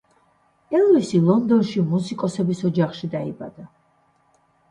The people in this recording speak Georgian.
ელვისი ლონდონში მუსიკოსების ოჯახში დაიბადა.